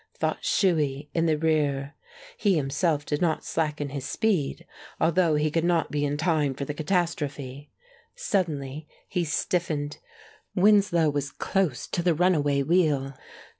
thought Shuey, in the rear. He himself did not slacken his speed, although he could not be in time for the catastrophe. Suddenly he stiffened; Winslow was close to the runaway wheel.